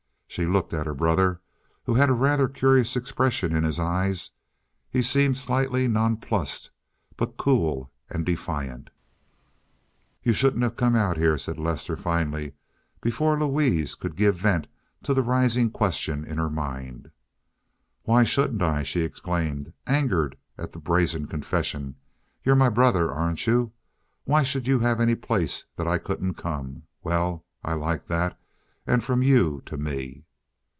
She looked at her brother, who had a rather curious expression in his eyes—he seemed slightly nonplussed, but cool and defiant. "You shouldn't have come out here," said Lester finally, before Louise could give vent to the rising question in her mind. "Why shouldn't I?" she exclaimed, angered at the brazen confession. "You're my brother, aren't you? Why should you have any place that I couldn't come. Well, I like that—and from you to me."